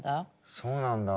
そうなんだ。